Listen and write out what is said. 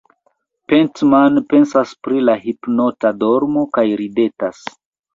Pentman pensas pri la hipnota dormo kaj ridetas.